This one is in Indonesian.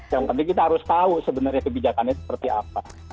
yang penting kita harus tahu sebenarnya kebijakannya seperti apa